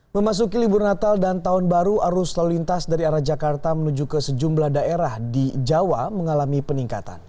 memasuki libur natal dan tahun baru arus lalu lintas dari arah jakarta menuju ke sejumlah daerah di jawa mengalami peningkatan